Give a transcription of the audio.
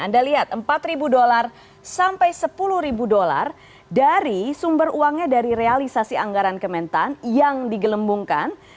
anda lihat empat dolar sampai sepuluh ribu dolar dari sumber uangnya dari realisasi anggaran kementan yang digelembungkan